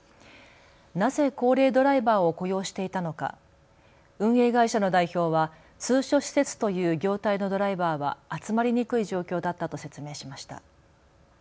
なぜ高齢ドライバーを雇用していたのか、運営会社の代表は通所施設という業態のドライバーは集まりにくい状況だったと説明しました。